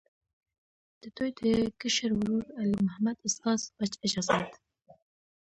د دوي د کشر ورور، علي محمد استاذ، پۀ اجازت